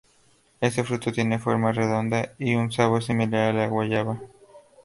Este fruto tiene forma redonda y un sabor similar a la guayaba.